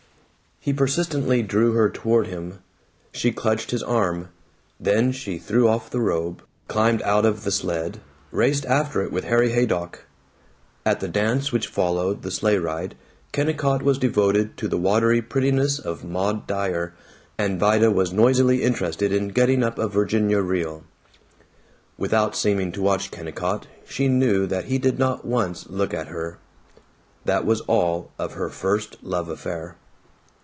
He persistently drew her toward him. She clutched his arm. Then she threw off the robe, climbed out of the sled, raced after it with Harry Haydock. At the dance which followed the sleigh ride Kennicott was devoted to the watery prettiness of Maud Dyer, and Vida was noisily interested in getting up a Virginia Reel. Without seeming to watch Kennicott, she knew that he did not once look at her. That was all of her first love affair.